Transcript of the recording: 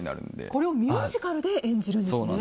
これをミュージカルでやるんですね。